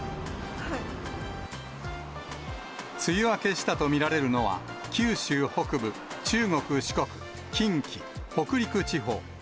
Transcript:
梅雨明けしたと見られるのは、九州北部、中国、四国、近畿、北陸地方。